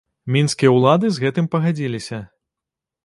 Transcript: Мінскія ўлады з гэтым пагадзіліся.